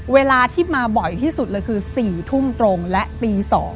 เวลาที่มาบ่อยที่สุดเลยคือ๔ทุ่มตรงและตี๒